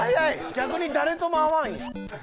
逆に誰とも会わんやん。